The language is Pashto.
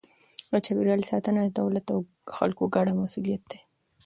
د چاپیریال ساتنه د دولت او خلکو ګډه مسئولیت دی.